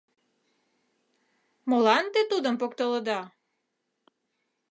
— Молан те тудым поктылыда?